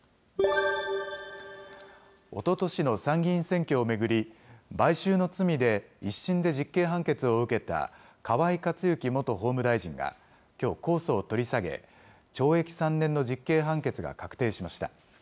おととしの参議院選挙を巡り、買収の罪で１審で実刑判決を受けた河井克行元法務大臣がきょう、控訴を取り下げ、懲役３年の実刑判決が確定しました。